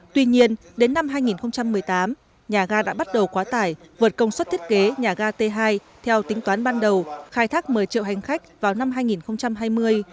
tuy nhiên đến năm hai nghìn một mươi tám nhà ga đã bắt đầu quá tải vượt công suất thiết kế nhà ga t hai theo tính toán ban đầu khai thác một mươi triệu hành khách vào năm hai nghìn hai mươi